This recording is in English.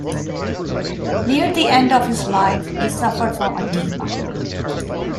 Near the end of his life, he suffered from edema.